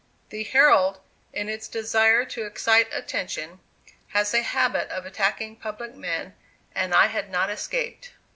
The Herald, in its desire to excite attention, has a habit of attacking public men and I had not escaped.